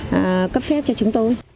và cấp phép cho chúng tôi